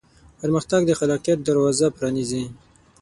پرمختګ د خلاقیت دروازې پرانیزي.